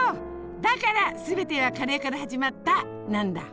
だから「すべてはカレーから始まった」なんだ！